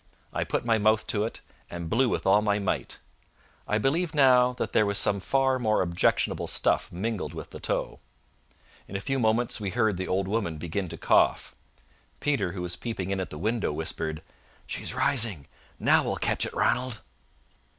I put my mouth to it, and blew with all my might. I believe now that there was some far more objectionable stuff mingled with the tow. In a few moments we heard the old woman begin to cough. Peter, who was peeping in at the window, whispered "She's rising. Now we'll catch it, Ranald!"